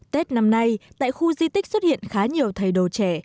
tết năm nay tại khu di tích xuất hiện khá nhiều thầy đồ trẻ